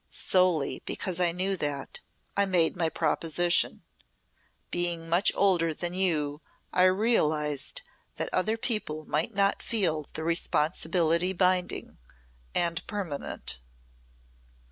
"Solely because I knew that, I made my proposition. Being much older than you I realised that other people might not feel the responsibility binding and permanent."